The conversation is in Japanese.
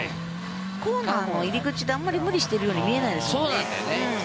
コーナーの入り口であまり無理しているように見えないですよね。